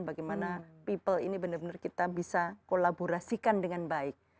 bagaimana people ini benar benar kita bisa kolaborasikan dengan baik